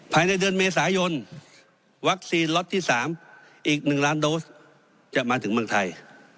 ภายในเดือนเมษายนวัคซีนล็อตที่๓อีก๑ล้านโดสจะมาถึงเมืองไทย